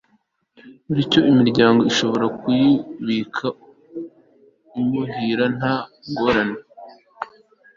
bityo imiryango ishobora kuyibika imuhira nta ngorane